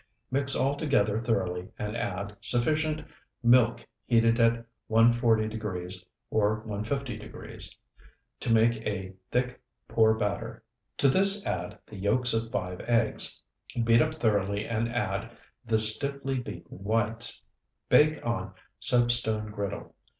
Mix all together thoroughly, and add sufficient Milk heated at 140° or 150°, To make a thick pour batter. To this add the Yolks of 5 eggs. Beat up thoroughly and add the Stiffly beaten whites. Bake on soapstone griddle.